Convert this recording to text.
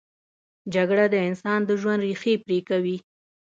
جګړه د انسان د ژوند ریښې پرې کوي